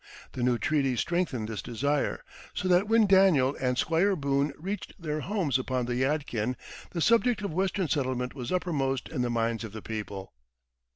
The new treaties strengthened this desire, so that when Daniel and Squire Boone reached their homes upon the Yadkin the subject of Western settlement was uppermost in the minds of the people.